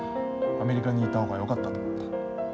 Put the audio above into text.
アメリカにいた方がよかったと思った。